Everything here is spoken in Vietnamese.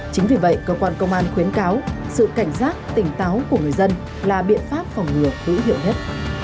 chính vì vậy cơ quan công an khuyến cáo sự cảnh giác tỉnh táo của người dân là biện pháp phòng ngừa hữu hiệu nhất